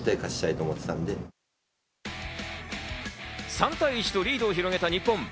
３対１とリードを広げた日本。